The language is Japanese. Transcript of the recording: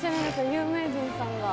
有名人さんが。